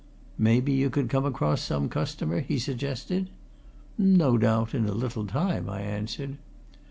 "Maybe you could come across some customer?" he suggested. "No doubt, in a little time," I answered.